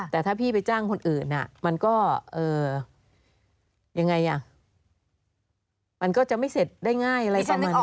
แต่ถ้าพี่ไปจ้างคนอื่นมันก็ยังไงอ่ะมันก็จะไม่เสร็จได้ง่ายอะไรสักหน่อย